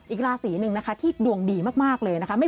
อีกราศีหนึ่งนะคะที่ดวงดีมากเลยนะคะ